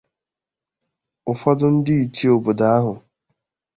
Ụfọdụ ndị ichie obodo ahụ